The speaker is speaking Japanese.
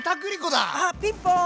あっピンポーン！